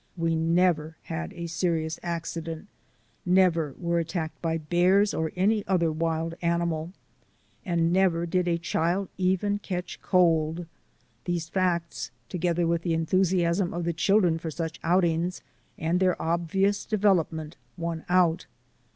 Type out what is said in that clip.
We never had a serious accident, never were at tacked by bears or any other wild animal, and never did a child even catch cold. These facts, together with the enthusiasm of the children for such outings and their obvious development, won out.